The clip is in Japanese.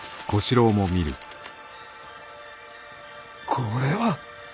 これは。